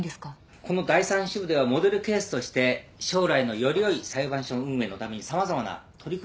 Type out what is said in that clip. この第３支部ではモデルケースとして将来のよりよい裁判所運営のために様々な取り組みが行われているんです。